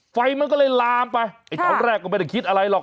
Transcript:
ไฟมันก็เลยลามไปไอ้ตอนแรกก็ไม่ได้คิดอะไรหรอก